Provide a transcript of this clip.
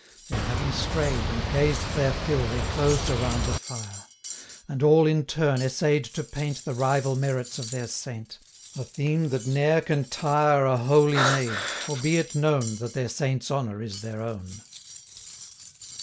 Then, having stray'd and gazed their fill, 225 They closed around the fire; And all, in turn, essay'd to paint The rival merits of their saint, A theme that ne'er can tire A holy maid; for, be it known, 230 That their saint's honour is their own.